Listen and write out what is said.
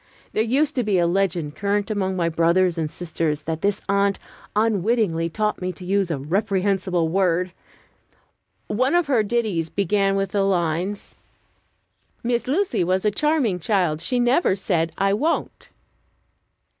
There used to be a legend current among my brothers and sisters that this aunt unwittingly taught me to use a reprehensible word. One of her ditties began with the lines: "Miss Lucy was a charming child; She never said, 'I won't.'"